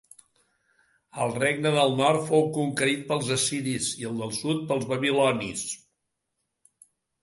El Regne del Nord fou conquerit pels assiris, i el del sud pels babilonis.